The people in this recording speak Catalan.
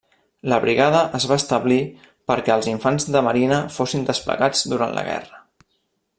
La Brigada es va establir, perquè els infants de marina fossin desplegats durant la guerra.